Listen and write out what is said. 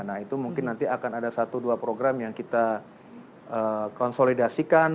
nah itu mungkin nanti akan ada satu dua program yang kita konsolidasikan